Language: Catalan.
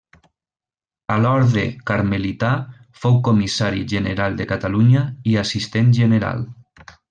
A l'orde carmelità fou comissari general de Catalunya i assistent general.